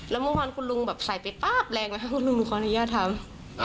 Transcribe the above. แล้วเมื่อวานคุณลุงแบบใส่ไปป๊าบแรงแล้วคุณลุงขออนุญาตทำ